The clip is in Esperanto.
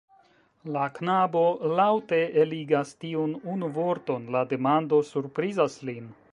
La knabo laŭte eligas tiun unu vorton, la demando surprizas lin.